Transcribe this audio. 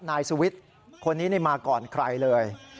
นายสุวิทย์คนนี้มาก่อนใครเลย